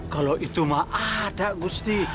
kalau itu mah ada gusti